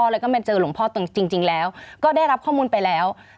แล้วก็มาเจอหลวงพ่อตรงจริงแล้วก็ได้รับข้อมูลไปแล้ว